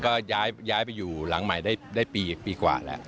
ก็ย้ายไปอยู่หลังใหม่ได้ปีกว่าแล้ว